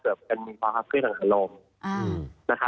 เกือบกันมีความครับเครื่องหลังของโรค